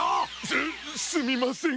すすみません。